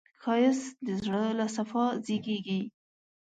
ښایست د زړه له صفا زېږېږي